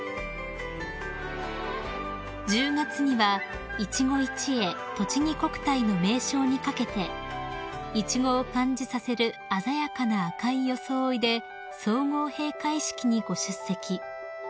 ［１０月にはいちご一会とちぎ国体の名称にかけてイチゴを感じさせる鮮やかな赤い装いで総合閉会式にご出席］